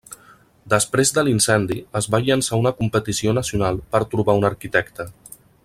Després de l'incendi, es va llançar una competició nacional per trobar un arquitecte.